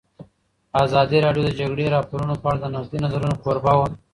ازادي راډیو د د جګړې راپورونه په اړه د نقدي نظرونو کوربه وه.